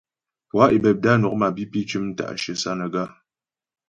Poâ Ebebda nwɔk mapǐpi cʉm ta'shyə Sánaga.